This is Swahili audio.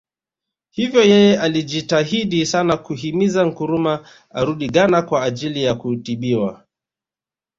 Hivyo yeye alijitahidi sana kuhimiza Nkrumah arudi Ghana kwa ajili ya kutibiwa